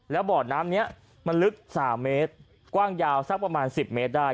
แล้วบ่อน้ำนี้มันลึก๓เมตรกว้างยาวสักประมาณ๑๐เมตรได้